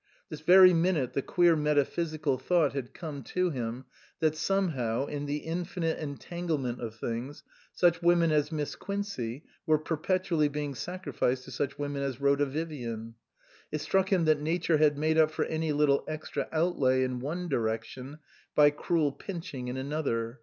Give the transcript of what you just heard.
This very 274 UNDER A BLUE MOON minute the queer metaphysical thought had come to him that somehow, in the infinite entangle ment of things, such women as Miss Quincey were perpetually being sacrificed to such women as Rhoda Vivian. It struck him that Nature had made up for any little extra outlay in one direction by cruel pinching in another.